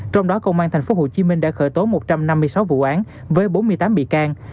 trong đó công an tp hcm đã khởi tố một trăm năm mươi sáu vụ án với bốn mươi tám bị can